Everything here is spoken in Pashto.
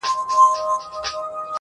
الله ته لاس پورته كړو.